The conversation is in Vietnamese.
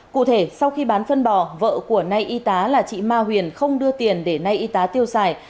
cụ thể sau khi bán phân bò vợ của nay y tá là chị ma huyền không đưa tiền để nay y tá tiêu xài